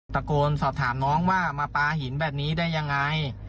ตะโกนสอบถามน้องว่ามาปลาหินแบบนี้ได้ยังไง